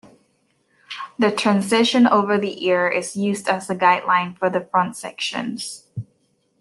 The transition over the ear is used as a guideline for the front sections.